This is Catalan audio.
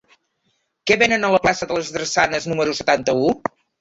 Què venen a la plaça de les Drassanes número setanta-u?